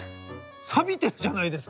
さびてるじゃないですか！